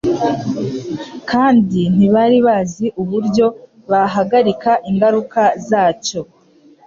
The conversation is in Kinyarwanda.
kandi ntibari bazi uburyo bahagarika ingaruka zacyo.